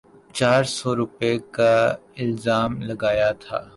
چار سو روپے کا الزام لگایا تھا۔